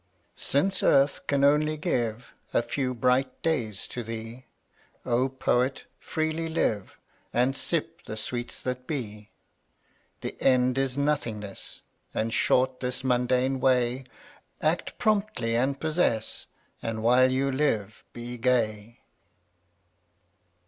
0Utt<$ (rttttAtf Since earth can only give KJU A few bright days to thee, QKe? O Poet, freely live And sip the sweets that be. The end is nothingness, And short this mundane way; Act promptly and possess, And while you live be gay.